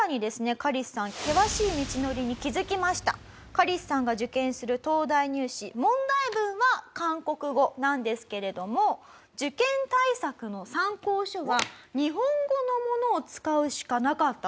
カリスさんカリスさんが受験する東大入試問題文は韓国語なんですけれども受験対策の参考書は日本語のものを使うしかなかったという事なんです。